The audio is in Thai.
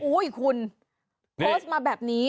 คุณโพสต์มาแบบนี้